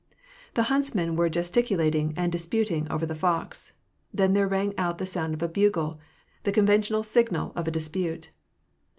The huntsmen were gesticulating and disputing over the fox. Then there rang out the sound of a bugle ; the conventional signal of a dispute.